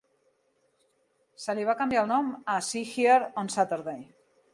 Se li va canviar el nom a "See Hear on Saturday".